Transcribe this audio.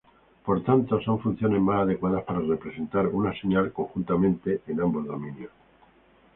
Por tanto, son funciones más adecuadas para representar una señal conjuntamente en ambos dominios.